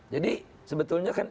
jadi sebetulnya kan